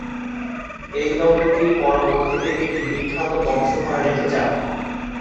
এই দম্পতি পরবর্তীতে একটি বিখ্যাত বংশধারা রেখে যান।